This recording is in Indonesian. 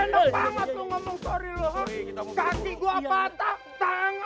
tangan gue sengkleng